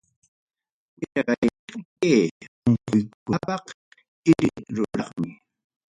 Wira kayqa kay unquykunapaq chiki ruraqmi.